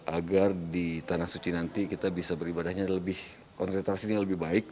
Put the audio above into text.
agar di tanah suci nanti kita bisa beribadahnya lebih konsentrasinya lebih baik